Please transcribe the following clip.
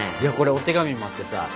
お手紙もあってさ。